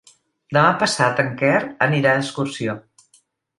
Demà passat en Quer anirà d'excursió.